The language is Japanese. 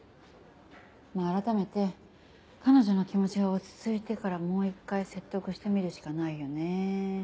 まぁ改めて彼女の気持ちが落ち着いてからもう一回説得してみるしかないよね。